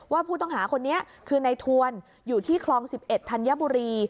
ว่าผู้ต้องหาคนนี้คือในทวนอยู่ที่คลอง๑๑ธัญบุรี